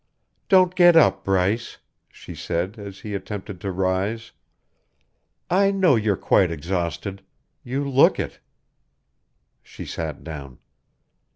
"Don't get up, Bryce," she said as he attempted to rise. "I know you're quite exhausted. You look it." She sat down.